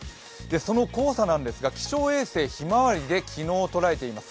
その黄砂なんですが、気象衛星ひまわりで昨日捉えています。